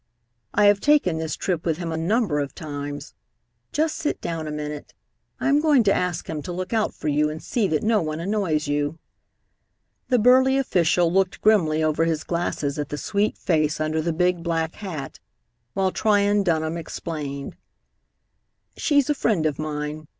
"I have taken this trip with him a number of times. Just sit down a minute. I am going to ask him to look out for you and see that no one annoys you." The burly official looked grimly over his glasses at the sweet face under the big black hat, while Tryon Dunham explained, "She's a friend of mine.